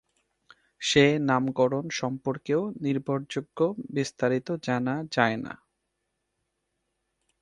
সে নামকরণ সম্পর্কেও নির্ভরযোগ্য বিস্তারিত জানা যায়না।